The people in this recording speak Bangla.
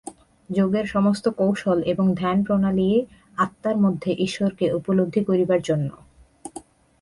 যোগের সমস্ত কৌশল এবং ধ্যানপ্রণালী আত্মার মধ্যে ঈশ্বরকে উপলব্ধি করিবার জন্য।